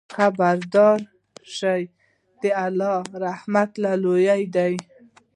خبردار شئ! د الله له رحمته لرېوالی دی.